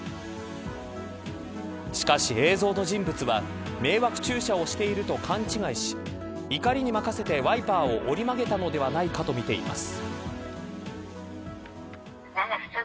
しかし、映像の人物は迷惑駐車をしていると勘違いし怒りにまかせてワイパーを折り曲げたのではないかとみています。